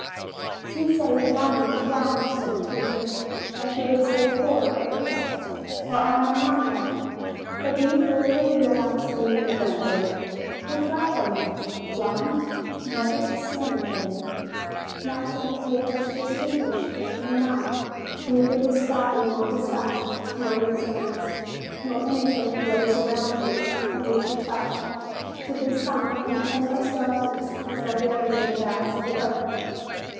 "You say blind blind," said the teacher, "as you would say poor or ill, or I know not what. But do you fully realize the meaning of that word? Reflect a little. Blind! Never to see anything! Not to be 154 . FEBRUARY able to distinguish day from night ; to see neither the sky, nor the sun, nor your parents, nor anything of what is around you, and which you touch ; to be sunk in endless darkness, as though buried in the bowels of the earth